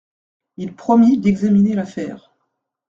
Il promit d'examiner l'affaire.